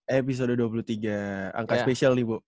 episode dua puluh tiga angka spesial nih bu